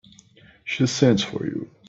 She sends for you.